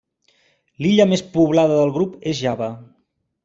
L'illa més poblada del grup és Java.